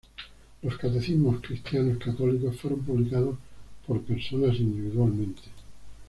Los catecismos cristianos católicos fueron publicados por personas individualmente.